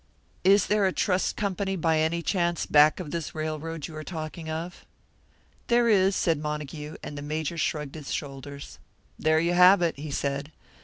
"Is there a trust company by any chance back of this railroad you are talking of?" "There is," said Montague; and the Major shrugged his shoulders. "There you have it," he said.